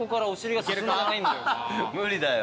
無理だよ。